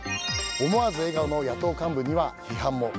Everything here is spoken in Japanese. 思わず笑顔の野党幹部には批判も。